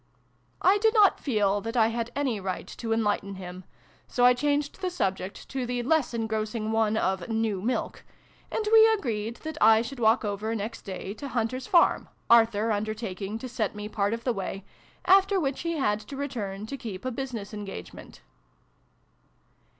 I did not feel that I had any right to enlighten him ; so I changed the subject, to the less engrossing one of " new milk," and we agreed that I should walk over, next day, to Hunter's farm, Arthur undertaking to set me part of the way, after which he had to return to keep a business engagement.